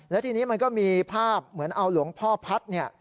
แล้วทีนี้มันก็มีภาพเหมือนเอาหลวงพ่อพัฒน์เนี่ย